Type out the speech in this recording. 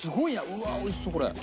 うわーおいしそうこれ。